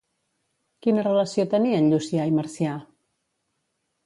Quina relació tenien Llucià i Marcià?